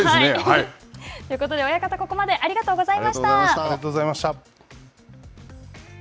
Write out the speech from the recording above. ということで、親方、ここまでありがとうございました。